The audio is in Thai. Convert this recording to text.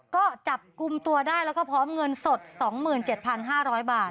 ก็จับกลุ่มตัวได้แล้วก็พร้อมเงินสด๒๗๕๐๐บาท